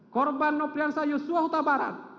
korban nopiansa yosua kutabarat